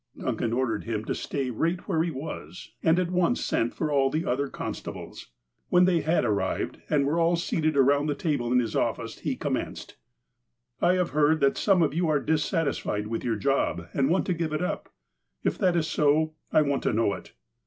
Duncan ordered him to stay right where he was, and at once sent for all the other constables. "When they had arrived, and were all seated around the table in his office, he commenced : "I have heard that some of you are dissatisfied with your job, and want to give it up. If that is so, I want to know it.